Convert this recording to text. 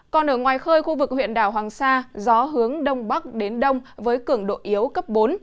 còn ở ngoài khơi khu vực huyện đảo hoàng sa gió hướng đông bắc đến đông với cường độ yếu cấp bốn